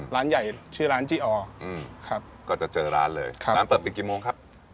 ร้านใหญ่ชื่อร้านจี้อก็จะเจอร้านเลยครับร้านเปิดปิดกี่โมงครับ